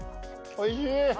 おいしい？